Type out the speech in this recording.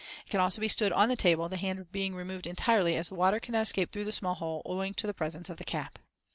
It can also be stood on the table, the hand being removed entirely; the water cannot escape through the small hole owing to the presence of the cap.